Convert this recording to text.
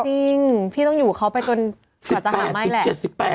จริงพี่ต้องอยู่เขาไปจนกว่าจะหาไม่แหละ